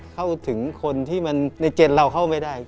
เข้าถึงคนที่มันในเจนเราเข้าไม่ได้